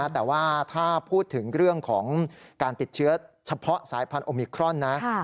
แต่ว่าถ้าพูดถึงเรื่องของการติดเชื้อเฉพาะสายพันธุมิครอนนะ